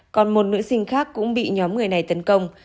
còn một nữ sinh khác cũng bị nhóm người này tấn công